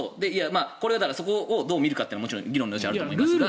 そこをどう見るかってもちろん議論の余地はあると思いますが。